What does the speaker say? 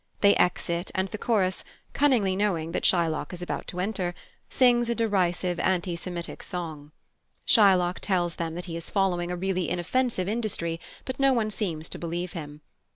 They exit, and the chorus, cunningly knowing that Shylock is about to enter, sings a derisive anti Semitic song. Shylock tells them that he is following a really inoffensive industry, but no one seems to believe him.